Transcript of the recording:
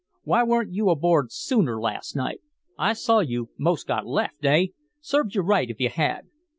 Why weren't you aboard sooner last night? I saw you 'most got left, eh? Served you right if you had."